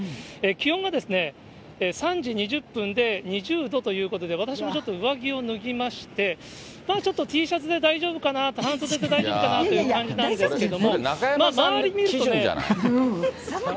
気温が３時２０分で２０度ということで、私もちょっと上着を脱ぎまして、ちょっとＴシャツで大丈夫かなと、半袖で大丈夫かなという感じなんですけれども、周りを見るとね。